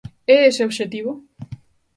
É ese o obxectivo?